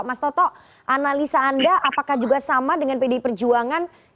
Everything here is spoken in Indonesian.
mas toto analisa anda apakah juga sama dengan pdi perjuangan